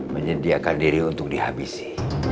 menyediakan diri untuk dihabisi